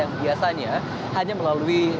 yang biasanya hanya melalui